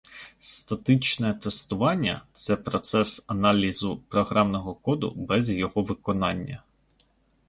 Статичне тестування - це процес аналізу програмного коду без його виконання.